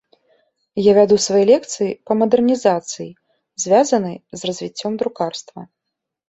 Я вяду свае лекцыі па мадэрнізацыі, звязанай з развіццём друкарства.